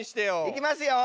いきますよ。